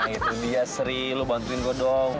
nah itu dia sri lo bantuin gue dong